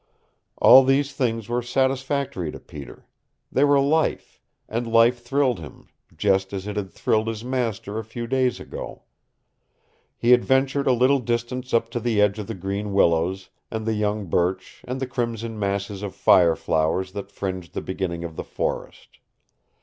All these things were satisfactory to Peter. They were life, and life thrilled him, just as it had thrilled his master a few days ago. He adventured a little distance up to the edge of the green willows and the young birch and the crimson masses of fire flowers that fringed the beginning of the forest.